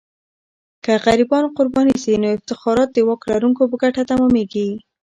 که غریبان قرباني سي، نو افتخارات د واک لرونکو په ګټه تمامیږي.